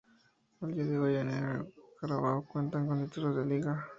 Al día de hoy ni Aragua, ni Carabobo cuentan con títulos de liga.